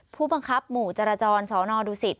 ผู้บังคับหมู่จรจรสนดูสิต